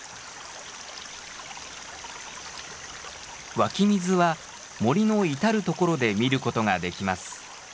湧き水は森の至る所で見ることができます。